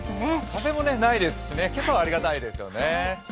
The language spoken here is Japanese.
風もないですし今朝はありがたいですよね。